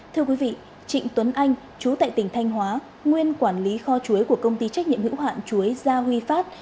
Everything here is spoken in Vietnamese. thưa quý vị trịnh tuấn anh chú tại tỉnh thanh hóa nguyên quản lý kho chuối của công ty trách nhiệm hữu hạn chuối gia huy phát